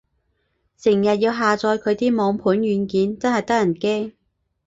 成日要下載佢啲網盤軟件，真係得人驚